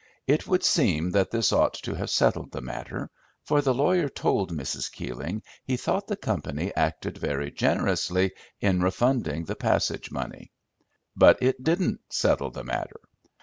It would seem that this ought to have settled the matter, for the lawyer told Mrs. Keeling he thought the company acted very generously in refunding the passage money; but it didn't settle the matter.